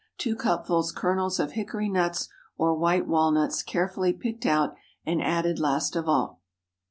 2 cupfuls kernels of hickory nuts or white walnuts, carefully picked out, and added last of all.